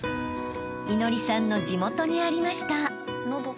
［祈愛さんの地元にありました］